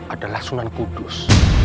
adalah sunan kudus